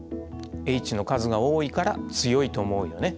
Ｈの数が多いから強いと思うよね。